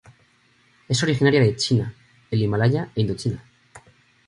Es originaria de China, el Himalaya e Indochina.